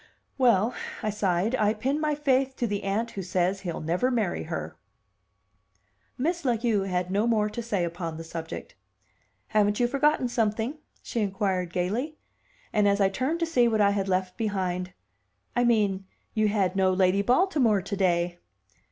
"Well," I sighed, "I pin my faith to the aunt who says he'll never marry her." Miss La Heu had no more to say upon the subject. "Haven't you forgotten something?" she inquired gayly; and, as I turned to see what I had left behind "I mean, you had no Lady Baltimore to day."